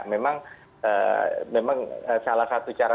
memang salah satu cara